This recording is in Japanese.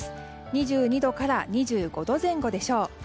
２２度から２５度前後でしょう。